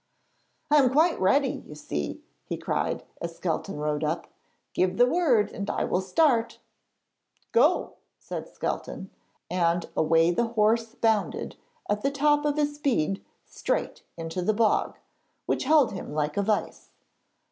'I am quite ready, you see,' he cried, as Skelton rode up. 'Give the word and I will start.' 'Go!' said Skelton, and away the horse bounded at the top of his speed straight into the bog, which held him like a vice.